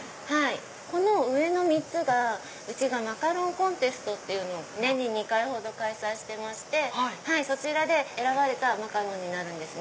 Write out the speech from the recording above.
この上の３つがうちがマカロンコンテストを年に２回ほど開催してましてそちらで選ばれたマカロンになるんですね。